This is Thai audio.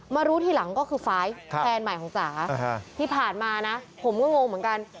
รู้ทีหลังก็คือไฟล์แฟนใหม่ของจ๋าที่ผ่านมานะผมก็งงเหมือนกัน